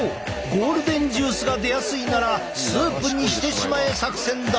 ゴールデンジュースが出やすいならスープにしてしまえ作戦だ！